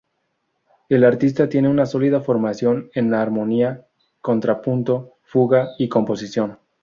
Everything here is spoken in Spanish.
El artista tiene una sólida formación en armonía, contrapunto, fuga y composición.